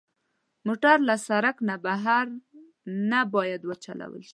موټر له سړک نه بهر نه باید وچلول شي.